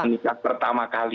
nikah pertama kali